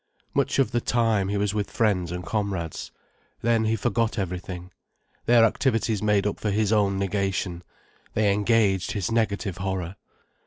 Much of the time, he was with friends and comrades. Then he forgot everything. Their activities made up for his own negation, they engaged his negative horror.